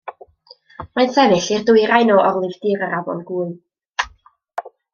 Mae'n sefyll i'r dwyrain o orlifdir yr Afon Gwy.